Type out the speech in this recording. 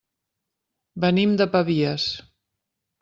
Venim de Pavies.